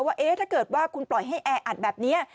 ว่าถ้าเกิดว่าคุณปล่อยให้แออัดแบบนี้